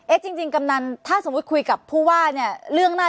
จริงกำนันถ้าสมมุติคุยกับผู้ว่าเนี่ยเรื่องหน้า